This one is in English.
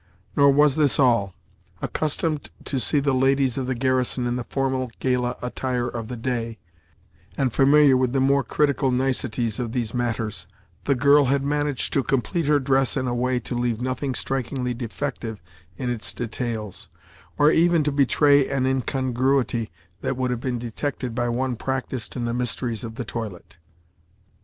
Nor was this all. Accustomed to see the ladies of the garrison in the formal, gala attire of the day, and familiar with the more critical niceties of these matters, the girl had managed to complete her dress in a way to leave nothing strikingly defective in its details, or even to betray an incongruity that would have been detected by one practised in the mysteries of the toilet.